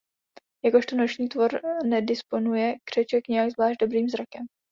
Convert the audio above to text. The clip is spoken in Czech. Jakožto noční tvor nedisponuje křeček nijak zvlášť dobrým zrakem.